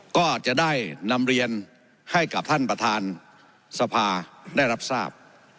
ก็จะได้นำเรียนให้กับท่านประธานสภาได้รับทราบ